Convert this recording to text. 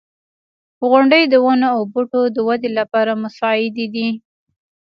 • غونډۍ د ونو او بوټو د ودې لپاره مساعدې دي.